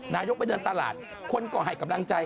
นายกไปเดินตลาดคนก็ให้กำลังใจ